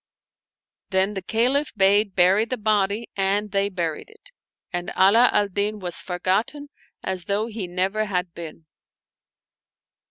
Then the Caliph bade bury, the body and they buried it ; and Ala al Din was forgotten as though he never had been.